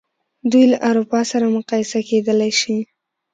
دوی له اروپا سره مقایسه کېدلای شي.